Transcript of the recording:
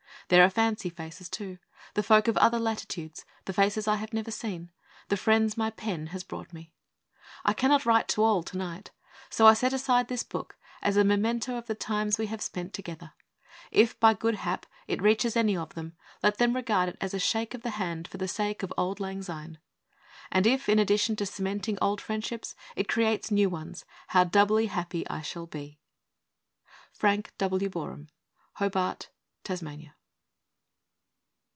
There are fancy faces, too; the folk of other latitudes; the faces I have never seen; the friends my pen has brought me. I cannot write to all to night; so I set aside this book as a memento of the times we have spent together. If, by good hap, it reaches any of them, let them regard it as a shake of the hand for the sake of auld lang syne. And if, in addition to cementing old friendships, it creates new ones, how doubly happy I shall be! FRANK W. BOREHAM. Hobart, Tasmania.